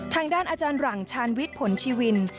ทางด้านอาจารย์หลังชาญวิทย์ผลชีวิน